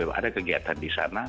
ada kegiatan di sana